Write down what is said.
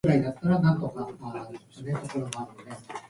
結局、遠回りしたように見えても、それが一番の近道だったりするよね。